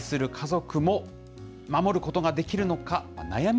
愛する家族も守ることができるのか。